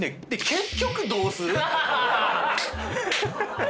結局どうする？